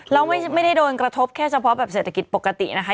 แล้วไม่ได้โดนกระทบแค่เฉพาะแบบเศรษฐกิจปกตินะคะ